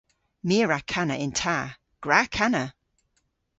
My a wra kana yn ta. Gwra kana!